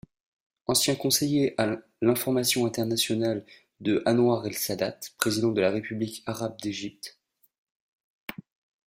Ancien conseiller à l'information internationale de Anouar el-Sadate, Président de la République arabe d'Égypte.